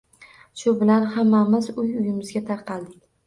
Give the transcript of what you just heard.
Shu bilan hammamiz uy-uyimizga tarqaldik